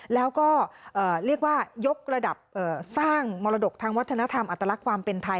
แล้วก็เรียกว่ายกระดับสร้างมรดกทางวัฒนธรรมอัตลักษณ์ความเป็นไทย